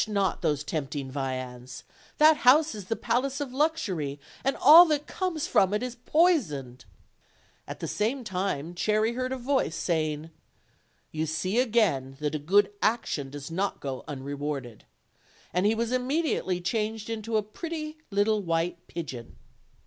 oL those tempt ing viands; that house is the palace of luxury, and all that comes from it is poisoned. OLD, OLD FAIRY TALES. 331 At the same time Cherry heard a voice saying: "You see again that a good action does not go unrewarded," and he was immediately changed into a pretty little white pigeon.